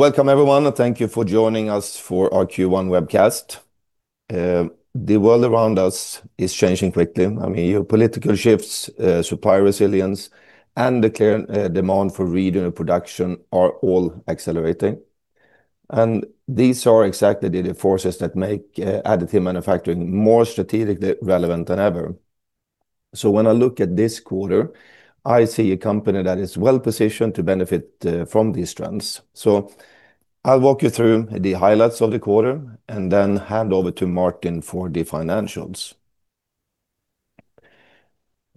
Welcome everyone, and thank you for joining us for our Q1 webcast. The world around us is changing quickly. I mean, geopolitical shifts, supply resilience, and the clear demand for regional production are all accelerating. These are exactly the forces that make additive manufacturing more strategically relevant than ever. When I look at this quarter, I see a company that is well-positioned to benefit from these trends. I'll walk you through the highlights of the quarter and then hand over to Martin for the financials.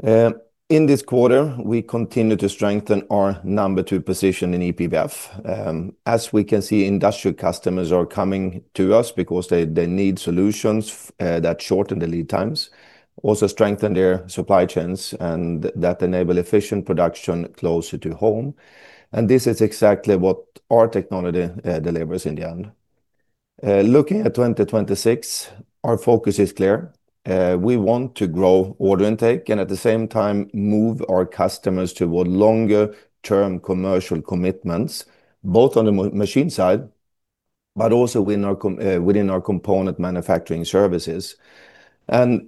In this quarter, we continued to strengthen our number two position in E-PBF. As we can see, industrial customers are coming to us because they need solutions that shorten the lead times. Also strengthen their supply chains and that enable efficient production closer to home. This is exactly what our technology delivers in the end. Looking at 2026, our focus is clear. We want to grow order intake, and at the same time, move our customers toward longer-term commercial commitments, both on the machine side, but also in our within our component manufacturing services.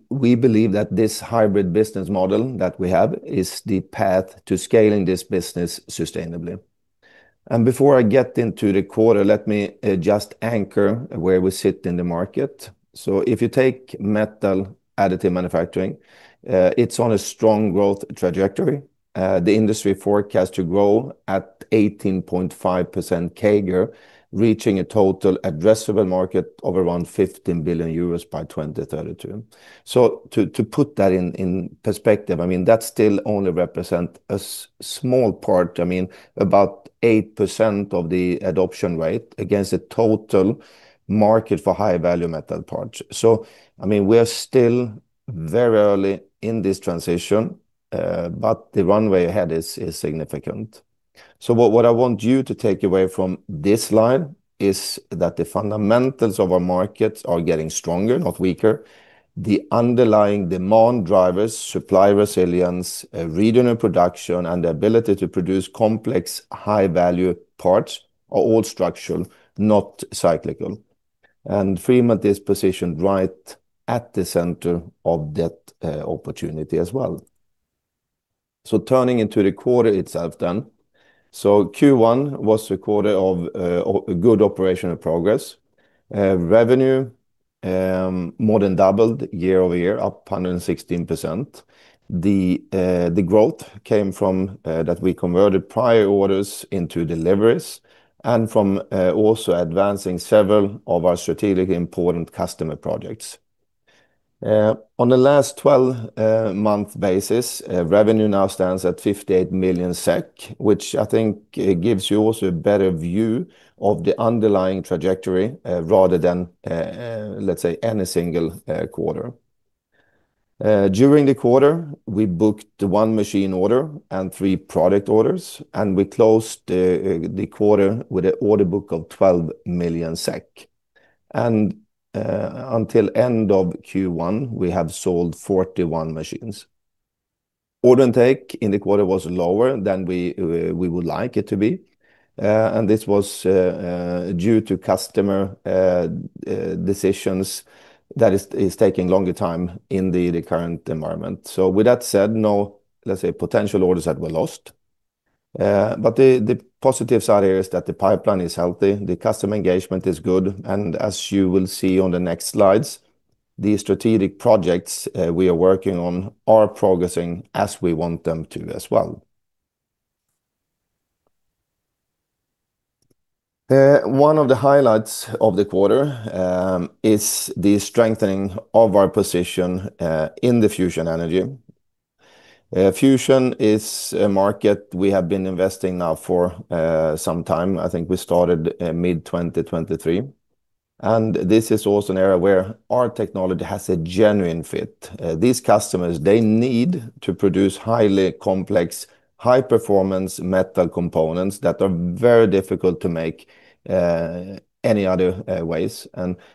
We believe that this hybrid business model that we have is the path to scaling this business sustainably. Before I get into the quarter, let me just anchor where we sit in the market. If you take metal additive manufacturing, it's on a strong growth trajectory. The industry forecast to grow at 18.5% CAGR, reaching a total addressable market of around 15 billion euros by 2032. To, to put that in perspective, I mean, that still only represent a small part, I mean, about 8% of the adoption rate against the total market for high-value metal parts. I mean, we're still very early in this transition, but the runway ahead is significant. What I want you to take away from this slide is that the fundamentals of our markets are getting stronger, not weaker. The underlying demand drivers, supply resilience, regional production, and the ability to produce complex high-value parts are all structural, not cyclical. Freemelt is positioned right at the center of that opportunity as well. Turning into the quarter itself then. Q1 was the quarter of a good operational progress. Revenue more than doubled year-over-year, up 116%. The growth came from that we converted prior orders into deliveries and from also advancing several of our strategic important customer projects. On the last 12-month basis, revenue now stands at 58 million SEK, which I think gives you also a better view of the underlying trajectory, rather than let's say, any single quarter. During the quarter, we booked one machine order and three product orders, and we closed the quarter with an order book of 12 million SEK. Until end of Q1, we have sold 41 machines. Order intake in the quarter was lower than we would like it to be. This was due to customer decisions that is taking longer time in the current environment. With that said, no potential orders that were lost. The positive side here is that the pipeline is healthy, the customer engagement is good. As you will see on the next slides, the strategic projects we are working on are progressing as we want them to as well. One of the highlights of the quarter is the strengthening of our position in the fusion energy. Fusion is a market we have been investing now for some time. I think we started mid-2023. This is also an area where our technology has a genuine fit. These customers, they need to produce highly complex, high-performance metal components that are very difficult to make any other ways.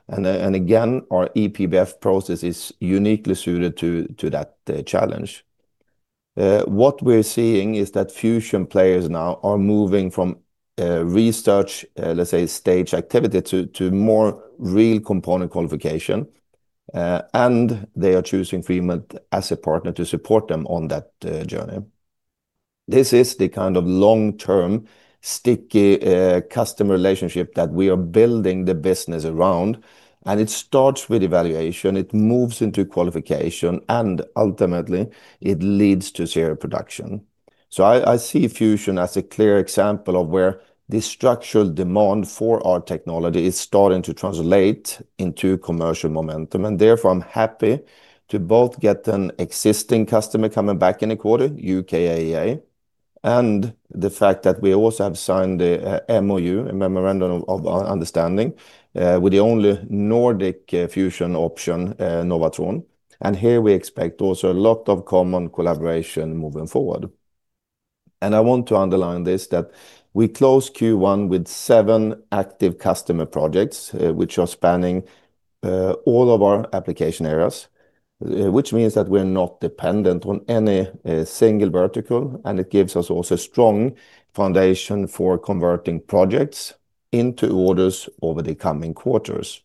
Again, our E-PBF process is uniquely suited to that challenge. What we're seeing is that fusion players now are moving from research, let's say, stage activity to more real component qualification. And they are choosing Freemelt as a partner to support them on that journey. This is the kind of long-term, sticky customer relationship that we are building the business around, and it starts with evaluation, it moves into qualification, and ultimately it leads to serial production. I see fusion as a clear example of where the structural demand for our technology is starting to translate into commercial momentum. And therefore, I'm happy to both get an existing customer coming back in a quarter, UKAEA, and the fact that we also have signed a MOU, a memorandum of understanding, with the only Nordic fusion option, Novatron. Here we expect also a lot of common collaboration moving forward. I want to underline this, that we closed Q1 with seven active customer projects, which are spanning all of our application areas. Which means that we're not dependent on any single vertical, and it gives us also strong foundation for converting projects into orders over the coming quarters.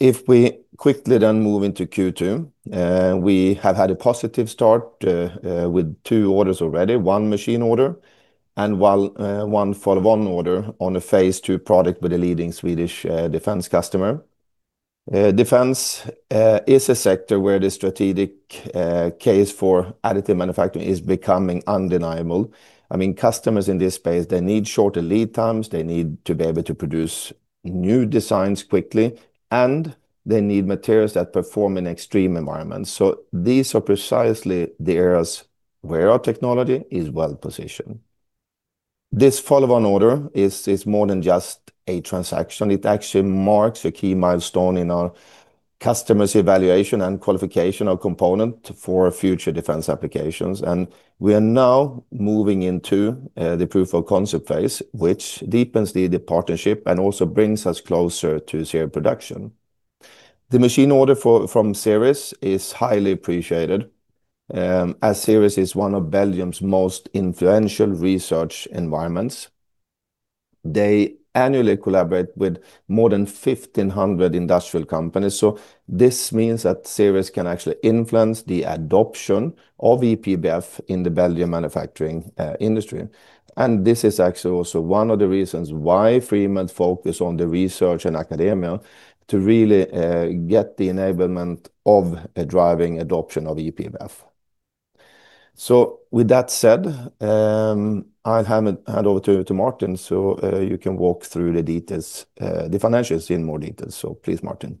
If we quickly move into Q2, we have had a positive start with two orders already, one machine order and one follow-on order on a phase II product with a leading Swedish defense customer. Defense is a sector where the strategic case for additive manufacturing is becoming undeniable. I mean, customers in this space, they need shorter lead times. They need to be able to produce new designs quickly, they need materials that perform in extreme environments. These are precisely the areas where our technology is well-positioned. This follow-on order is more than just a transaction. It actually marks a key milestone in our customer's evaluation and qualification of component for future defense applications. We are now moving into the proof of concept phase, which deepens the partnership and also brings us closer to serial production. The machine order from SCK CEN is highly appreciated, as SCK CEN is one of Belgium's most influential research environments. They annually collaborate with more than 1,500 industrial companies. This means that SCK CEN can actually influence the adoption of E-PBF in the Belgian manufacturing industry. This is actually also one of the reasons why Freemelt focus on the research and academia to really get the enablement of driving adoption of E-PBF. With that said, I'll hand over to Martin, you can walk through the details, the financials in more detail. Please, Martin.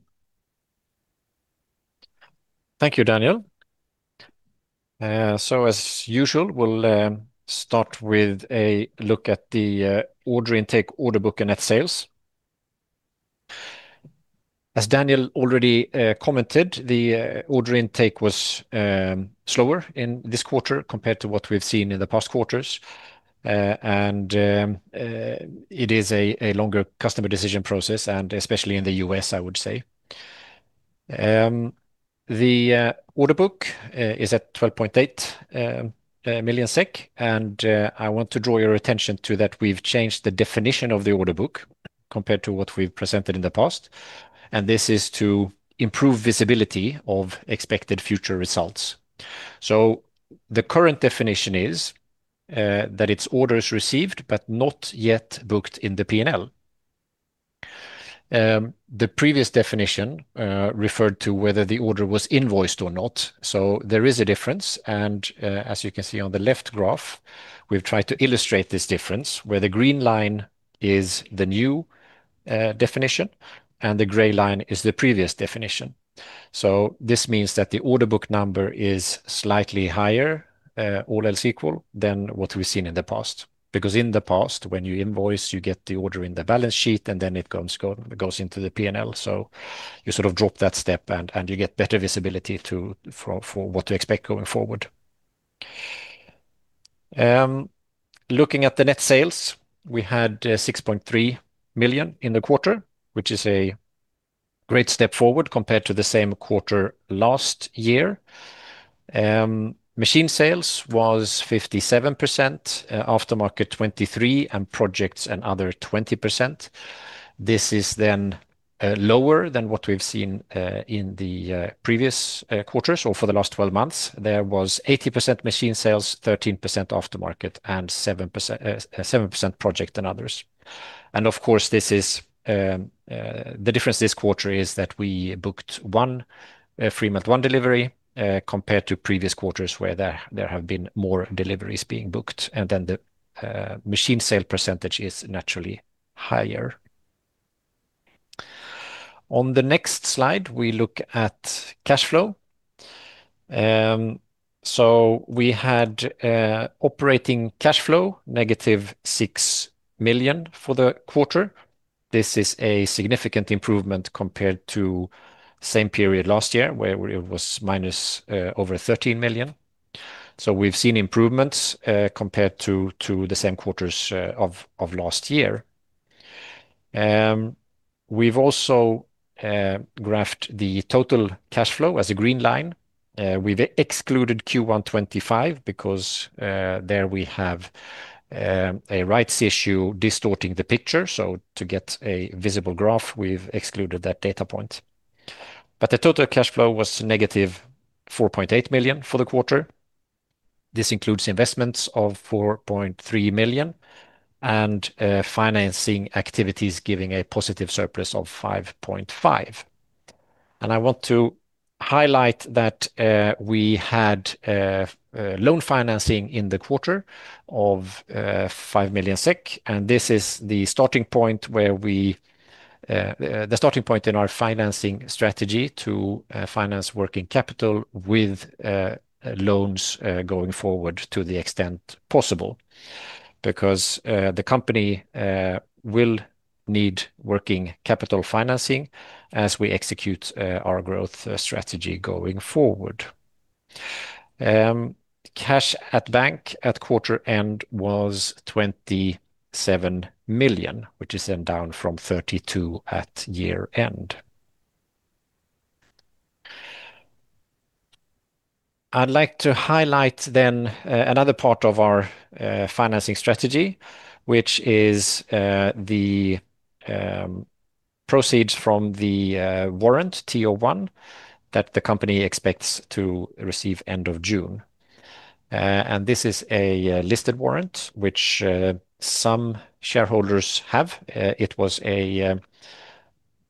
Thank you, Daniel. As usual, we'll start with a look at the order intake, order book, and net sales. As Daniel already commented, the order intake was slower in this quarter compared to what we've seen in the past quarters. It is a longer customer decision process, especially in the U.S., I would say. The order book is at 12.8 million SEK, and I want to draw your attention to that we've changed the definition of the order book compared to what we've presented in the past, and this is to improve visibility of expected future results. The current definition is that it's orders received but not yet booked in the P&L. The previous definition referred to whether the order was invoiced or not. There is a difference. As you can see on the left graph, we've tried to illustrate this difference where the green line is the new definition and the gray line is the previous definition. This means that the order book number is slightly higher, all else equal than what we've seen in the past. Because in the past, when you invoice, you get the order in the balance sheet, and then it goes into the P&L. You sort of drop that step and you get better visibility for what to expect going forward. Looking at the net sales, we had 6.3 million in the quarter, which is a great step forward compared to the same quarter last year. Machine sales was 57%, aftermarket, 23%, and projects and other, 20%. This is lower than what we've seen in the previous quarters or for the last 12 months. There was 80% machine sales, 13% aftermarket, and 7% project and others. Of course, this is the difference this quarter is that we booked one Freemelt ONE delivery compared to previous quarters where there have been more deliveries being booked. The machine sale percentage is naturally higher. On the next slide, we look at cash flow. We had operating cash flow negative 6 million for the quarter. This is a significant improvement compared to same period last year, where it was minus over 13 million. We've seen improvements compared to the same quarters of last year. We've also graphed the total cash flow as a green line. We've excluded Q1 2025 because there we have a rights issue distorting the picture. To get a visible graph, we've excluded that data point. The total cash flow was negative 4.8 million for the quarter. This includes investments of 4.3 million and financing activities giving a positive surplus of 5.5 million. I want to highlight that we had loan financing in the quarter of 5 million SEK, and this is the starting point where we, the starting point in our financing strategy to finance working capital with loans going forward to the extent possible. The company will need working capital financing as we execute our growth strategy going forward. Cash at bank at quarter end was 27 million, which is then down from 32 million at year end. I'd like to highlight then another part of our financing strategy, which is the proceeds from the warrant TO 1 that the company expects to receive end of June. This is a listed warrant which some shareholders have. It was a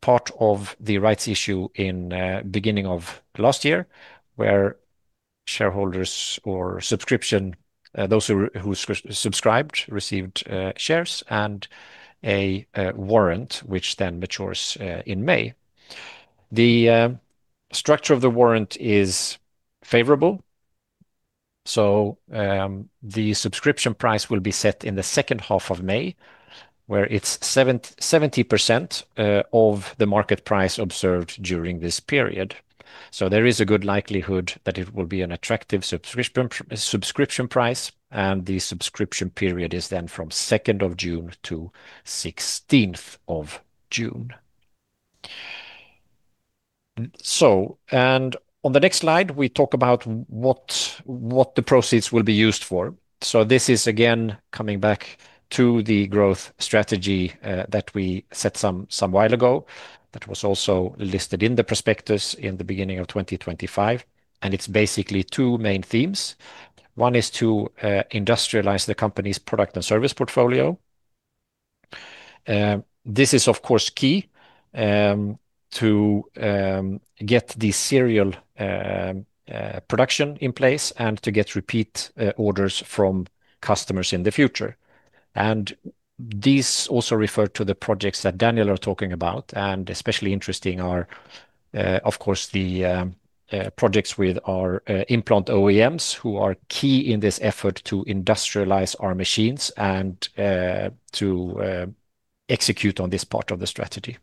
part of the rights issue in beginning of last year, where shareholders or subscription, those who subscribed received shares and a warrant which then matures in May. The structure of the warrant is favorable. The subscription price will be set in the second half of May, where it's 70% of the market price observed during this period. There is a good likelihood that it will be an attractive subscription price, and the subscription period is then from 2nd of June to 16th of June. On the next slide, we talk about what the proceeds will be used for. This is again coming back to the growth strategy that we set some while ago that was also listed in the prospectus in the beginning of 2025. It's basically two main themes. One is to industrialize the company's product and service portfolio. This is of course key to get the serial production in place and to get repeat orders from customers in the future. These also refer to the projects that Daniel are talking about and especially interesting are, of course the projects with our implant OEMs who are key in this effort to industrialize our machines and to execute on this part of the strategy.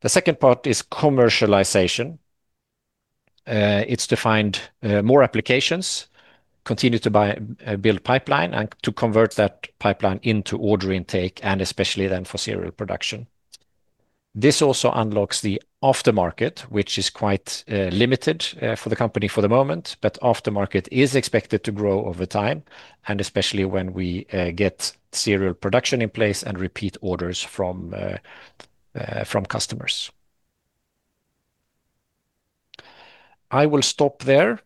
The second part is commercialization. It's to find more applications continue to buy, build pipeline and to convert that pipeline into order intake and especially then for serial production. This also unlocks the aftermarket, which is quite limited for the company for the moment, but aftermarket is expected to grow over time and especially when we get serial production in place and repeat orders from customers. I will stop there.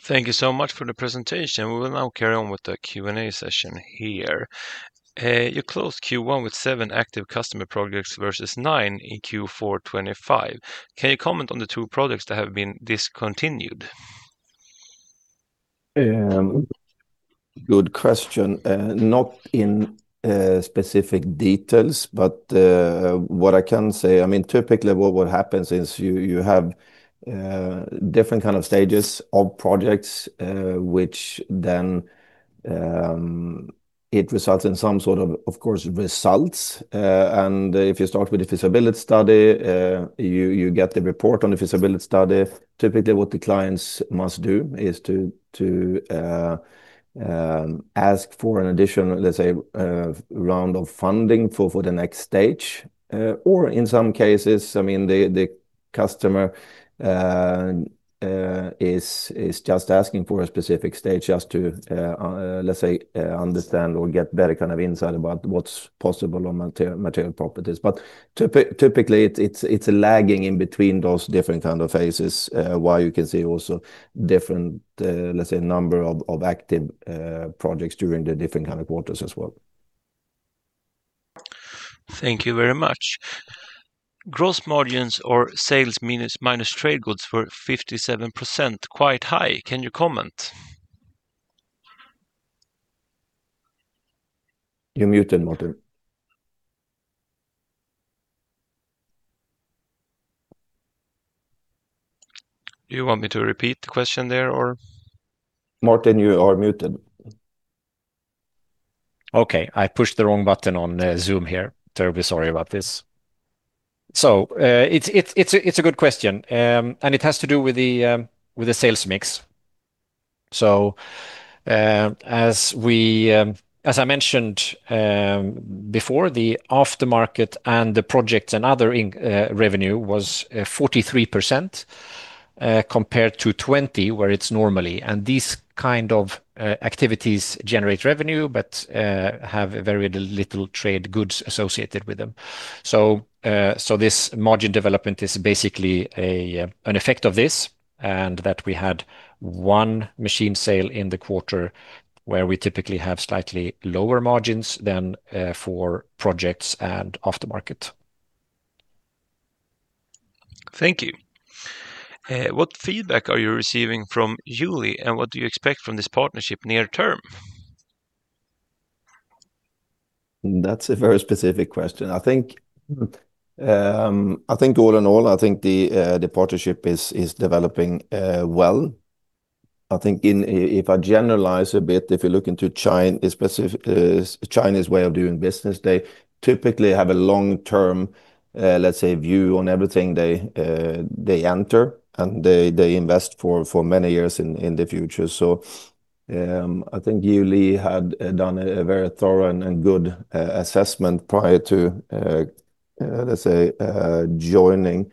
Thank you so much for the presentation. We will now carry on with the Q&A session here. You closed Q1 with seven active customer projects versus nine in Q4 2025. Can you comment on the two projects that have been discontinued? Good question. Not in specific details, but what I can say, I mean, typically what happens is you have different kind of stages of projects, which then it results in some sort of course, results. If you start with the feasibility study, you get the report on the feasibility study. Typically what the clients must do is to ask for an additional, let's say, round of funding for the next stage. In some cases, I mean, the customer is just asking for a specific stage just to, let's say, understand or get better kind of insight about what's possible on material properties. Typically, it's lagging in between those different kind of phases, why you can see also different, let's say number of active projects during the different kind of quarters as well. Thank you very much. Gross margins or sales minus trade goods were 57% quite high. Can you comment? You're muted, Martin. Do you want me to repeat the question there or? Martin, you are muted. Okay. I pushed the wrong button on Zoom here. Terribly sorry about this. It's a good question. It has to do with the sales mix. As we, as I mentioned before, the aftermarket and the projects and other revenue was 43% compared to 20 where it's normally. These kind of activities generate revenue but have very little trade goods associated with them. This margin development is basically an effect of this, and that we had one machine sale in the quarter where we typically have slightly lower margins than for projects and aftermarket. Thank you. What feedback are you receiving from Jiuli, and what do you expect from this partnership near term? That's a very specific question. I think, I think all in all, I think the partnership is developing well. If I generalize a bit, if you look into a specific Chinese way of doing business, they typically have a long-term, let's say, view on everything they enter, and they invest for many years in the future. I think Jiuli had done a very thorough and good assessment prior to, let's say, joining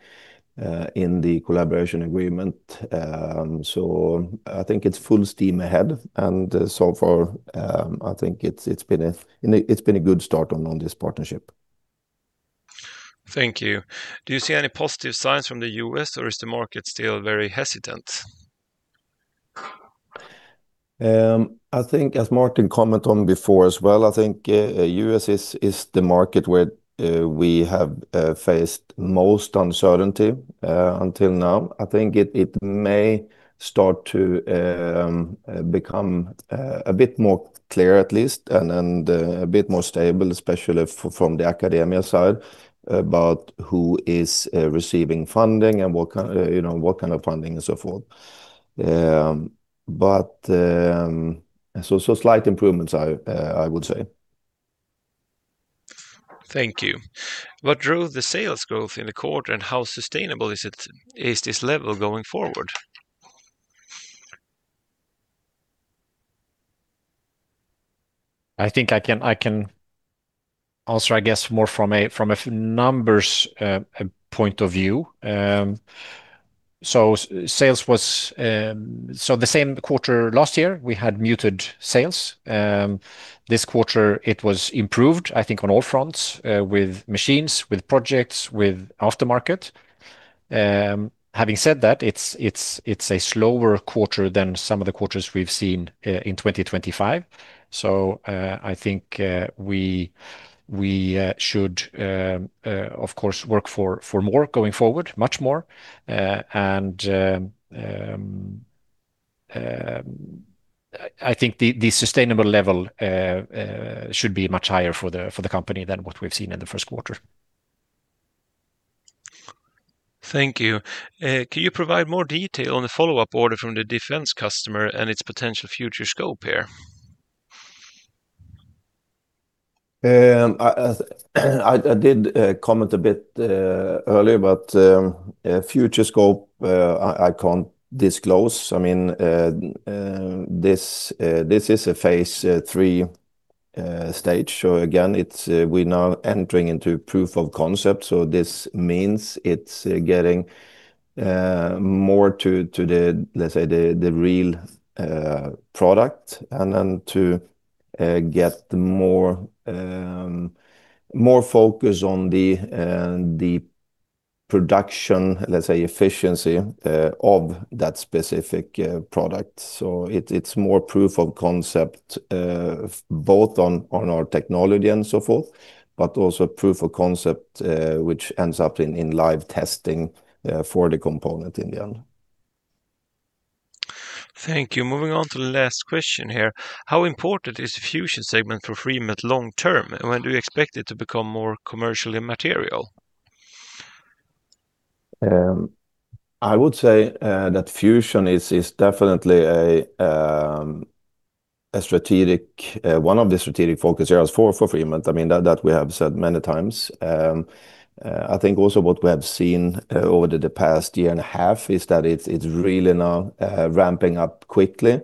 in the collaboration agreement. I think it's full steam ahead, and so far, I think it's been a good start on this partnership. Thank you. Do you see any positive signs from the U.S., or is the market still very hesitant? I think as Martin commented on before as well, I think, U.S. is the market where we have faced most uncertainty until now. I think it may start to become a bit more clear at least, and then a bit more stable, especially from the academia side about who is receiving funding and you know, what kind of funding and so forth. So, slight improvements I would say. Thank you. What drove the sales growth in the quarter, and how sustainable is this level going forward? I think I can answer, I guess, more from a numbers, point of view. The same quarter last year, we had muted sales. This quarter, it was improved, I think, on all fronts, with machines, with projects, with aftermarket. Having said that, it's a slower quarter than some of the quarters we've seen, in 2025. I think, we should, of course, work for more going forward, much more. I think the sustainable level should be much higher for the company than what we've seen in the first quarter. Thank you. Can you provide more detail on the follow-up order from the defense customer and its potential future scope here? I, I did comment a bit earlier, but future scope, I can't disclose. I mean, this is a phase III stage. Again, it's, we're now entering into proof of concept, this means it's getting more to the, let's say, the real product and then to get more, more focus on the production, let's say, efficiency of that specific product. It's, it's more proof of concept, both on our technology and so forth, but also proof of concept, which ends up in live testing for the component in the end. Thank you. Moving on to the last question here. How important is the fusion segment for Freemelt long term, and when do you expect it to become more commercially material? I would say that fusion is definitely a strategic, one of the strategic focus areas for Freemelt. I mean, that we have said many times. I think also what we have seen over the past year and a half is that it's really now ramping up quickly.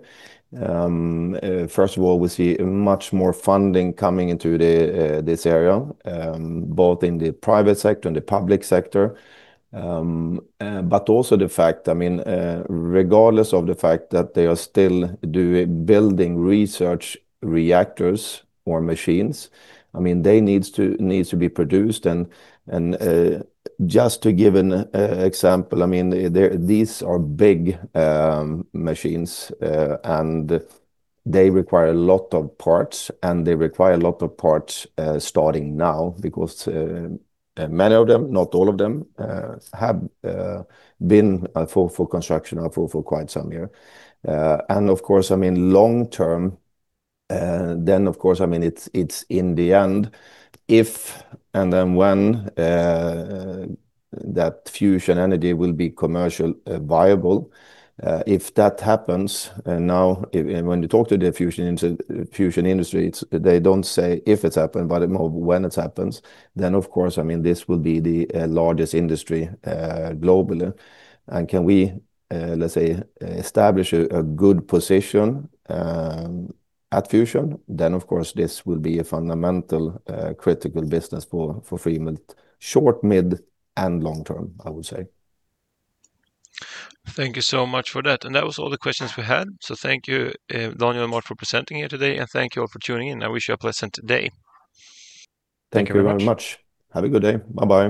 First of all, we see much more funding coming into this area, both in the private sector and the public sector. But also the fact, I mean, regardless of the fact that they are still doing building research reactors or machines, I mean, they needs to be produced. Just to give an example, I mean, these are big machines, and they require a lot of parts, starting now because many of them, not all of them, have been for construction or for quite some year. Of course, I mean, long term, then of course, I mean, it's in the end, if and then when that fusion energy will be commercial viable. If that happens, now when you talk to the fusion industry, they don't say if it's happened, but more when it happens, then of course, I mean, this will be the largest industry globally. Can we, let's say, establish a good position, at fusion, then of course this will be a fundamental, critical business for Freemelt short, mid, and long term, I would say. Thank you so much for that. That was all the questions we had. Thank you, Daniel and Martin for presenting here today, and thank you all for tuning in. I wish you a pleasant day. Thank you very much. Thank you very much. Have a good day. Bye-bye.